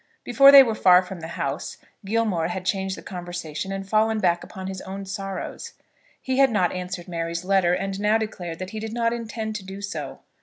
Before they were far from the house Gilmore had changed the conversation and fallen back upon his own sorrows. He had not answered Mary's letter, and now declared that he did not intend to do so.